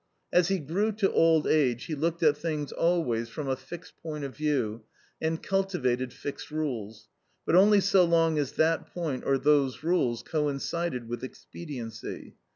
As he grew to old age he looked at things always from a fixed point of view, and cultivated fixed rules but only so long as that point or those rules coincided with expediency.